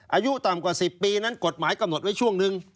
อายุต่ำกว่า๑๐ปีนั้นกฎหมายกำหนดไว้ช่วงหนึ่ง